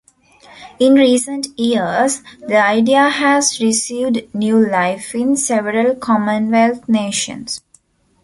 In recent years, the idea has received new life in several Commonwealth nations.